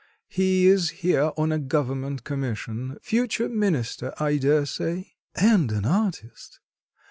He is here on a government commission ... future minister, I daresay!" "And an artist?"